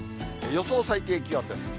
予想最低気温です。